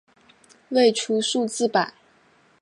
未出数字版。